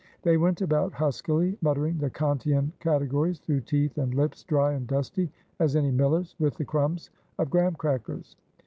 They went about huskily muttering the Kantian Categories through teeth and lips dry and dusty as any miller's, with the crumbs of Graham crackers.